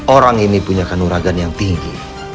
orang ini punya kanuragan yang tinggi